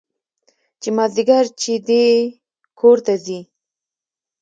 چې مازديګر چې دى کور ته ځي.